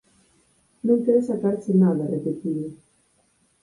Non quero sacarche nada –repetiu.